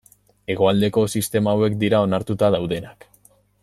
Hegoaldeko sistemak hauek dira onartuta daudenak.